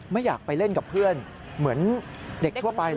ไม่อยากไปเล่นกับเพื่อนเหมือนเด็กทั่วไปเหรอ